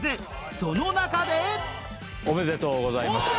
その中でおめでとうございます。